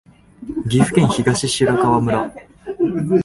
岐阜県東白川村